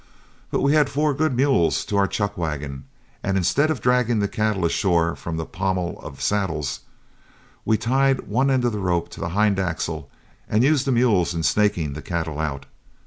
But we had four good mules to our chuck wagon, and instead of dragging the cattle ashore from the pommels of saddles, we tied one end of the rope to the hind axle and used the mules in snaking the cattle out.